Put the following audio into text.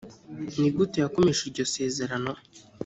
ni gute yakomeje iryo sezerano